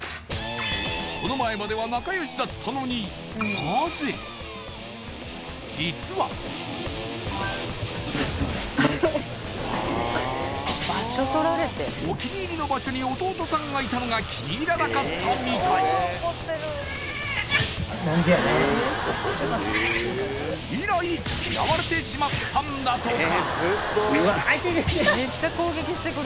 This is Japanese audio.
この前までは仲良しだったのに実はお気に入りの場所に弟さんがいたのが気に入らなかったみたい以来嫌われてしまったんだとか